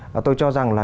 và tôi cho rằng là